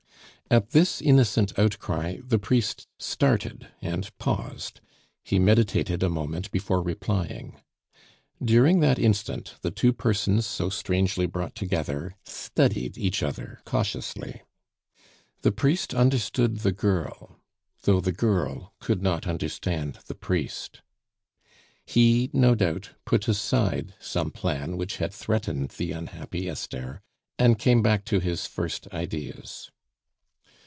At this innocent outcry the priest started and paused; he meditated a moment before replying. During that instant the two persons so strangely brought together studied each other cautiously. The priest understood the girl, though the girl could not understand the priest. He, no doubt, put aside some plan which had threatened the unhappy Esther, and came back to his first ideas.